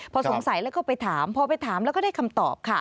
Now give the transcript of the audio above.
พอสงสัยแล้วก็ไปถามพอไปถามแล้วก็ได้คำตอบค่ะ